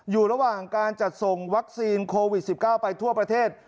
อยู่ระหว่างการจัดส่งวัคซีนโควิด๑๙ไปทั่วประเทศ